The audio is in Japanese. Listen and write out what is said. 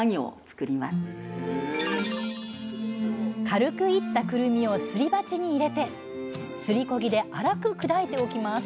軽くいったくるみをすり鉢に入れてすりこぎで粗く砕いておきます